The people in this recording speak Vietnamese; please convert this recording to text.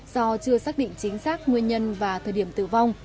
do chưa xác định chính xác nguyên nhân và thời điểm tử vong